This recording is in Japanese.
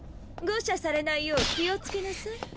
誤射されないよう気をつけなさい。